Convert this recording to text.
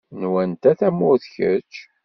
N wanta tamurt kečč?